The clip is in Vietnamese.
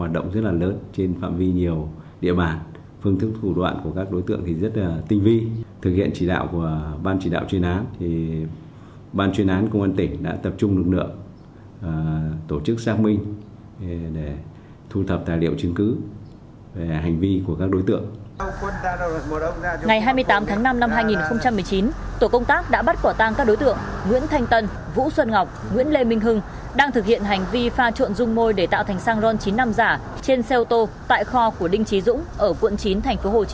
đang thực hiện hành vi pha trộn dung môi chất tạo màu vào xăng trên hai xe ô tô để tạo thành xăng ron chín mươi năm xăng e năm ron chín mươi hai giả